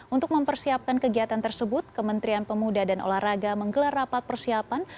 untuk mempersiapkan kegiatan tersebut kementerian pemuda dan olahraga menggelar rapat persiapan